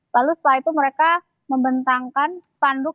lalu setelah itu mereka membentangkan spanduk